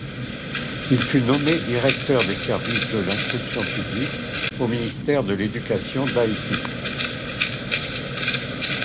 Il fut nommé directeur des services de l'Instruction publique au Ministère de l'Éducation d'Haïti.